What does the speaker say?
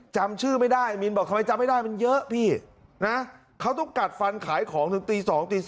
จำชื่อไม่ได้มินบอกทำไมจำไม่ได้มันเยอะพี่นะเขาต้องกัดฟันขายของถึงตี๒ตี๓